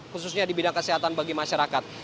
khususnya di bidang kesehatan bagi masyarakat